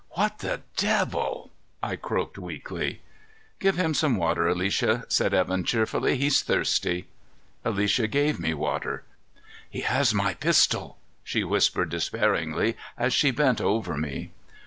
"What the devil?" I croaked weakly. "Give him some water, Alicia," said Evan cheerfully. "He's thirsty." Alicia gave me water. "He has my pistol," she whispered despairingly as she bent over me.